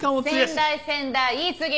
先代先代言い過ぎ！